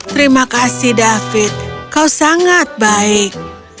terima kasih david kau sangat baik